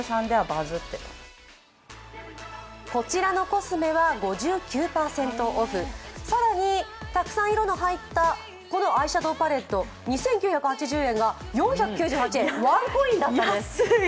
こちらのコスメは５９％オフ更に、たくさん色の入ったアイシャドウパレット、２９８０円が４９８円、ワンコインだったんです。